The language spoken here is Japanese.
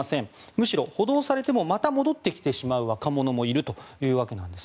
むしろ補導されてもまた戻ってきてしまう若者もいるわけです。